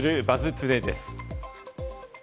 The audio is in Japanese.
トゥデイです。